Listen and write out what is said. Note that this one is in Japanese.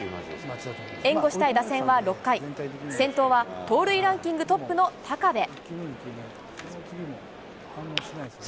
援護したい打線は６回、先頭は盗塁ランキングトップの高部。